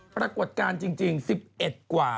ปรากฏการณ์จริง๑๑กว่า